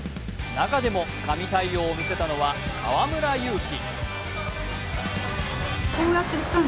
中でも神対応を見せたのは、河村勇輝。